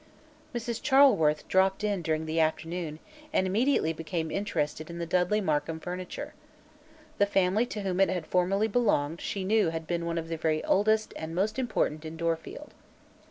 Mrs. Charleworth dropped in during the afternoon and immediately became interested in the Dudley Markham furniture. The family to whom it had formerly belonged she knew had been one of the very oldest and most important in Dorfield.